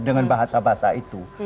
dengan bahasa bahasa itu